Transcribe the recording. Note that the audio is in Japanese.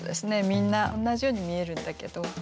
みんな同じように見えるんだけど。